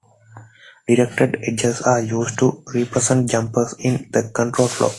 Directed edges are used to represent jumps in the control flow.